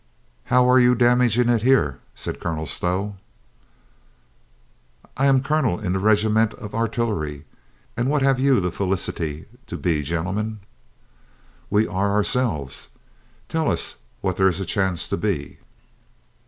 "How are you damaging it here?" said Colonel Stow. "I am colonel in the regiment of artillery. And what have you the felicity to be, gentlemen ?" "We are ourselves. Tell us what there is a chance to be."